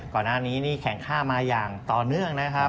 ก่อนหน้านี้แข็งค่ามาอย่างต่อเนื่อง